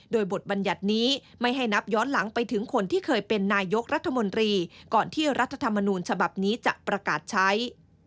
โดยบทบัญญัตินี้ไม่ให้นับย้อนหลังไปถึงคนที่เคยเป็นนายกรัฐมนตรีก่อนที่รัฐธรรมนูญฉบับนี้จะประกาศใช้